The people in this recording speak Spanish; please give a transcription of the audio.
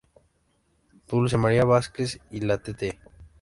Dulce María Vásquez y la Tte.